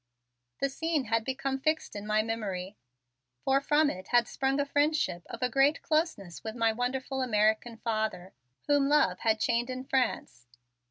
The scene had become fixed in my memory, for from it had sprung a friendship of a great closeness with my wonderful American father whom love had chained in France.